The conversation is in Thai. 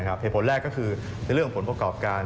เหตุผลแรกก็คือในเรื่องผลประกอบการ